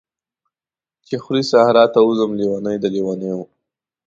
چی خوری صحرا ته ووځم، لیونۍ د لیونیو